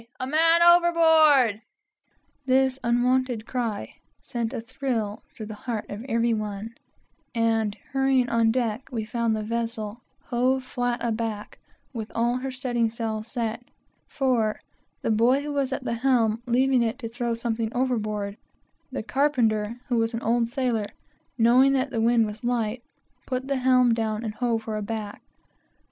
a man overboard!" This unwonted cry sent a thrill through the heart of every one, and hurrying on deck we found the vessel hove flat aback, with all her studding sails set; for the boy who was at the helm left it to throw something overboard, and the carpenter, who was an old sailor, knowing that the wind was light, put the helm down and hove her aback.